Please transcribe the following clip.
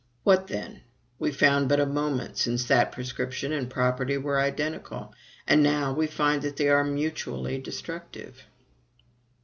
What then! we found but a moment since that prescription and property were identical; and now we find that they are mutually destructive!